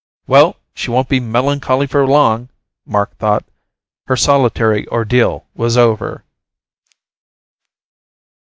Well, she won't be melancholy for long, Mark thought. Her solitary ordeal was over.